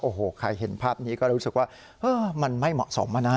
โอ้โหใครเห็นภาพนี้ก็รู้สึกว่ามันไม่เหมาะสมอะนะ